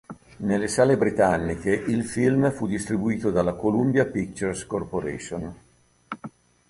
Nelle sale britanniche, il film fu distribuito dalla Columbia Pictures Corporation.